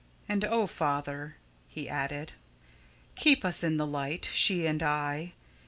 And oh, Father," he added, "keep us in the light she and I.